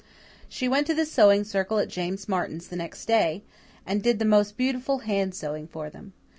She went to the Sewing Circle at James Martin's the next Saturday, and did the most beautiful hand sewing for them.